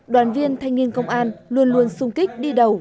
đoàn viên thanh niên công an luôn luôn sung kích đi đầu